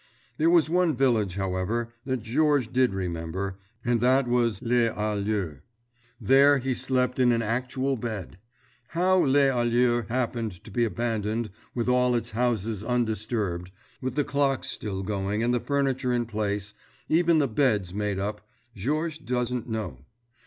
There was one village, however, that Georges did remember, and that was Les Alleux. There he slept in an actual bed. How Les Alleux happened to be abandoned with all its houses undisturbed—with the clocks still going and the furniture in place, even the beds made up—Georges doesn't know.